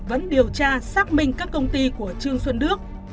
vẫn điều tra xác minh các công ty của trương xuân đức